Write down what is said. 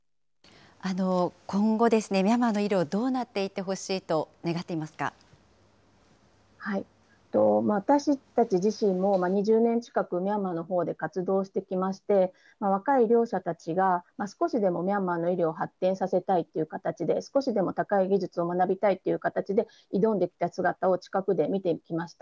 今後、ミャンマーの医療、どうなっていってほしいと願ってい私たち自身も２０年近く、ミャンマーのほうで活動してきまして、若い医療者たちが少しでもミャンマーの医療を発展させたいという形で、少しでも高い技術を学びたいという形で、挑んできた姿を近くで見てきました。